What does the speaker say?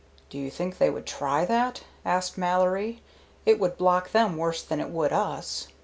"Do you think they would try that?" asked Mallory. "It would block them worse than it would us."